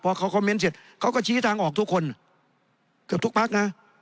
พอเขาคอมเมนต์เสร็จเขาก็ชี้ทางออกทุกคนเกือบทุกพักนะ